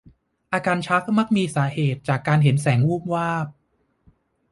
อาการชักมักมีสาเหตุจากการเห็นแสงวูบวาบ